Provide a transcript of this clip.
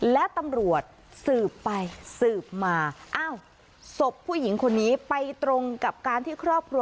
และตำรวจสืบไปสืบมาอ้าวศพผู้หญิงคนนี้ไปตรงกับการที่ครอบครัว